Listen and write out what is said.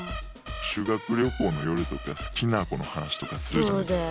修学旅行の夜とか好きな子の話とかするじゃないですか。